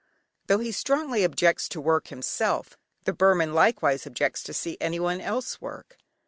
Though he strongly objects to work himself the Burman likewise objects to see anyone else work.